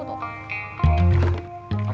tunggu tunggu tunggu